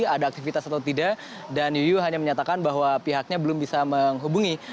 ada aktivitas atau tidak dan yuyu hanya menyatakan bahwa pihaknya belum bisa menghubungi